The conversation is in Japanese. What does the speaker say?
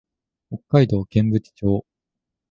北海道剣淵町